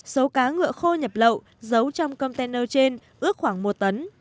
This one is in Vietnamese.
số cá ngựa khô nhập lậu giấu trong container trên ước khoảng một tấn